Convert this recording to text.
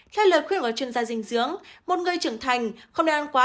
theo lời khuyên của chuyên gia dinh dưỡng một người trưởng thành không nên ăn quá